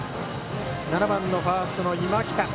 ７番、ファーストの今北。